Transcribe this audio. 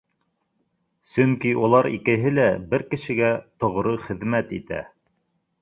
Сөнки улар икеһе лә бер кешегә тоғро хеҙмәт итә